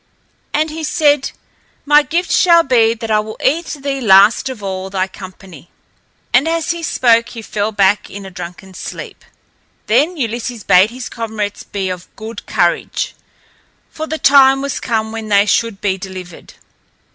And he said, "My gift shall be that I will eat thee last of all thy company." And as he spake he fell back in a drunken sleep. Then Ulysses bade his comrades be of good courage, for the time was come when they should be delivered.